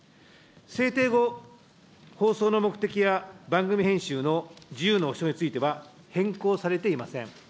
制定後、放送の目的や番組編集の自由の保障については、変更されていません。